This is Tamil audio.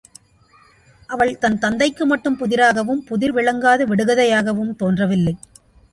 அவள் தன் தந்தைக்கு மட்டும் புதிராகவும் புதிர் விளங்காத விடுகதையாகவும் தோன்றவில்லை!